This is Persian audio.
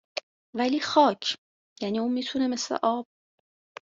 ولی خاک! یعنی اون میتونه مثل آب